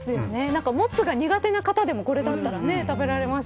もつが苦手な方でもこれだったら食べられますし。